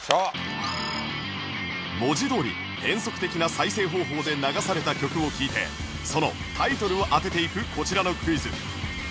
文字どおり変則的な再生方法で流された曲を聴いてそのタイトルを当てていくこちらのクイズ